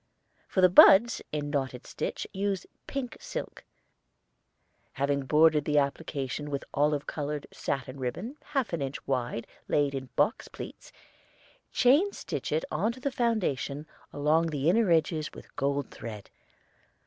For the buds in knotted stitch use pink silk. Having bordered the application with olive colored satin ribbon half an inch wide laid in box pleats, chain stitch it on the foundation along the inner edges with gold thread.